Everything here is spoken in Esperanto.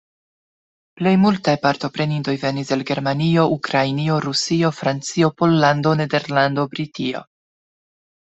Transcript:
Plej multaj partoprenintoj venis el Germanio, Ukrainio, Rusio, Francio, Pollando, Nederlando, Britio.